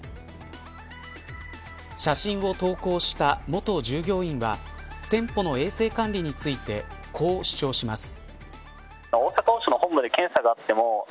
写真を投稿した元従業員は店舗の衛生管理についてこう主張します。